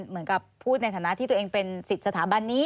เหมือนกับพูดในฐานะที่ตัวเองเป็นสิทธิ์สถาบันนี้